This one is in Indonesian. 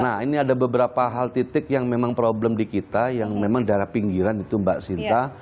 nah ini ada beberapa hal titik yang memang problem di kita yang memang daerah pinggiran itu mbak sinta